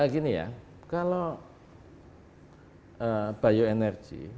gini ya kalau bio energy